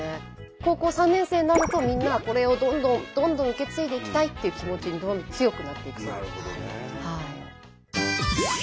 高校３年生になるとみんなこれをどんどんどんどん受け継いでいきたいっていう気持ちに強くなっていくそうです。